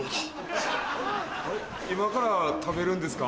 今から食べるんですか？